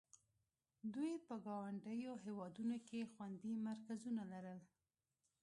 دوی په ګاونډیو هېوادونو کې خوندي مرکزونه لرل.